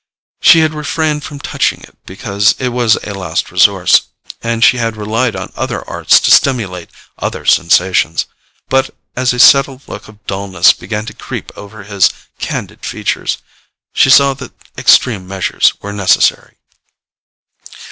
She had refrained from touching it because it was a last resource, and she had relied on other arts to stimulate other sensations; but as a settled look of dulness began to creep over his candid features, she saw that extreme measures were necessary.